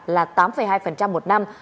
là tám hai một năm